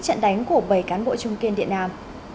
trận đánh của bảy cán bộ trung kiên điện nam